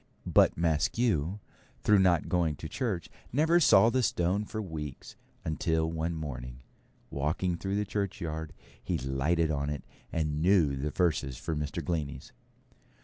But Maskew, through not going to church, never saw the stone for weeks, until one morning, walking through the churchyard, he lighted on it, and knew the verses for Mr. Glennie's.